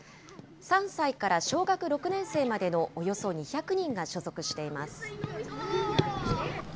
３歳から小学６年生までのおよそ２００人が所属しています。